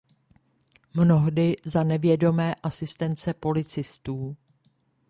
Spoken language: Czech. Mnohdy za nevědomé asistence policistů.